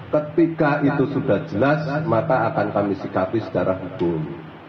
ketika itu sudah jelas maka akan kami sikapi secara hukum